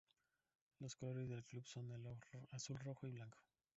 Los colores del club son el azul rojo y blanco.